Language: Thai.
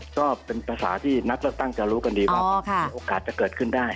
ก็เป็นภาษาที่นักเลือกตั้งจะรู้กันดีว่ามีโอกาสจะเกิดขึ้นได้